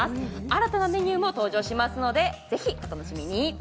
新たなメニューも登場しますので、ぜひ、お楽しみに。